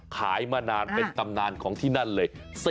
มานานเป็นตำนานของที่นั่นเลย